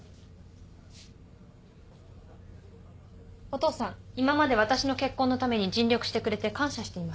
お父さん今まで私の結婚のために尽力してくれて感謝しています。